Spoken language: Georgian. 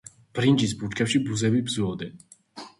ბრინჯის ბუჩქებში ბუზები ბზუოდნენ.